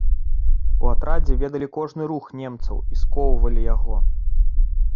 У атрадзе ведалі кожны рух немцаў і скоўвалі яго.